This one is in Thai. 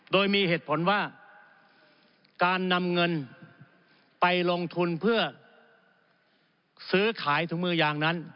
โดยมีเหตุผลว่าการนำเงินไปลงทุนเพื่อซื้อขายถุงมือยางนั้น